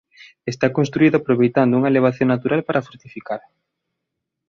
Está construído aproveitando unha elevación natural para fortificar.